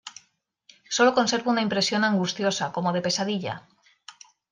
sólo conservo una impresión angustiosa como de pesadilla.